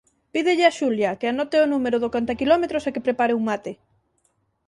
Pídelle a Xulia que anote ó número do contaquilómetros e que prepare un mate.